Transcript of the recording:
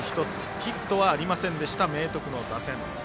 ヒットはありませんでした明徳の打線。